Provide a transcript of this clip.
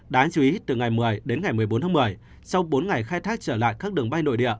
đáng chú ý từ ngày một mươi đến ngày một mươi bốn tháng một mươi sau bốn ngày khai thác trở lại các đường bay nội địa